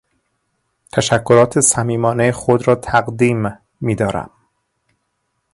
تشکرات صمیمانهٔ خود را تقدیم میداریم.